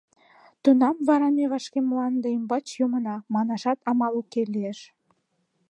Тунам вара «ме вашке мланде ӱмбач йомына» манашат амал уке лиеш.